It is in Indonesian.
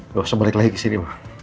gak usah balik lagi ke sini mak